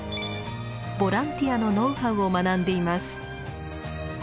ボランティアのノウハウを学んでいます。